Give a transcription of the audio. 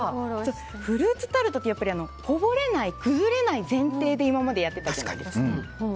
フルーツタルトってこぼれない、崩れない前提で今までやってたじゃないですか。